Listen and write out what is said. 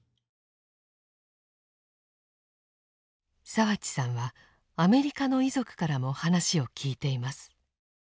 澤地さんはアメリカの遺族からも話を聞いています。